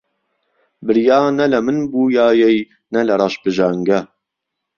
بريا نه له من بویایەی نه لە ڕهش بژانگه